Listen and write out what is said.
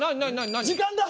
時間だ。